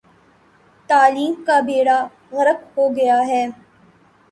تعلیم کا بیڑہ غرق ہو گیا ہے۔